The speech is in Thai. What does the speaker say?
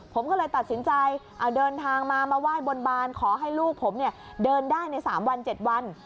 ผมก็เลยตัดสินใจเดินทางมามาไหว้บนบานขอให้ลูกผมเดินได้ใน๓วัน๗วัน